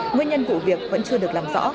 nguyên nhân của việc vẫn chưa được làm rõ